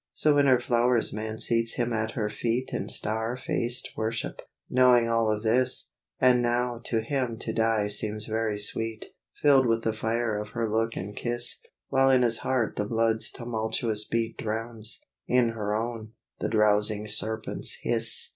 So in her flowers man seats him at her feet In star faced worship, knowing all of this; And now to him to die seems very sweet, Filled with the fire of her look and kiss; While in his heart the blood's tumultuous beat Drowns, in her own, the drowsing serpent's hiss.